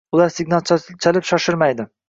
Ular signal chalib shoshirmaydi.